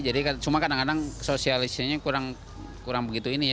jadi cuma kadang kadang sosialisinya kurang begitu ini ya